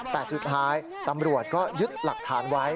แต่สุดท้ายตำรวจก็ยึดหลักฐานไว้